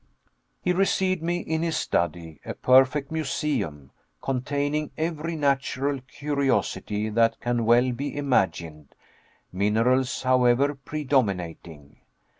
He received me in his study; a perfect museum, containing every natural curiosity that can well be imagined minerals, however, predominating.